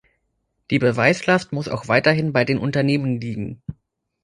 Die Beweislast muss auch weiterhin bei den Unternehmen liegen.